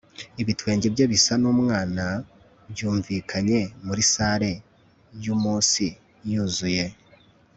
ibitwenge bye bisa numwana byumvikanye muri salle yumunsi yuzuye